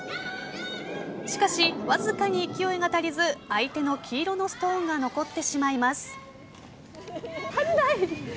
しかし、わずかに勢いが足りず相手の黄色のストーンが残ってしまいます。